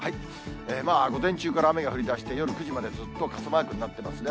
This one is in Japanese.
まあ、午前中から雨が降りだして、夜９時までずっと傘マークになってますね。